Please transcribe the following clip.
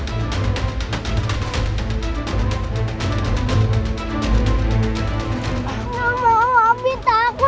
aku mau aku takut mak